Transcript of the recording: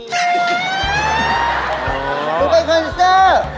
หนูเป็นเพร้าสือ